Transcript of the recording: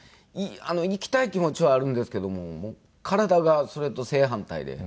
行きたい気持ちはあるんですけど体がそれと正反対で。